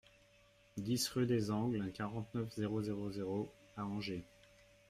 dix rUE DES ANGLES, quarante-neuf, zéro zéro zéro à Angers